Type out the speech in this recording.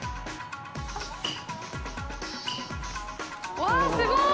うわっすごい！